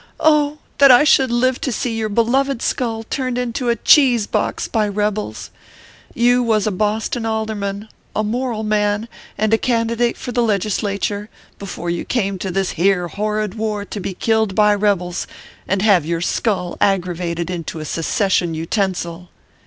"! that I should live to see your beloved skull turned into a cheese box by rebels ! You was a Boston alderman, a moral man, and a candidate for the Legislature, before you came to this here horrid war to be killed by rebels, and have your skull aggravated into a seces sion utensil."